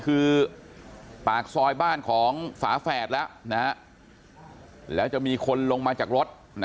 คือปากซอยบ้านของฝาแฝดแล้วแล้วจะมีคนลงมาจากรถ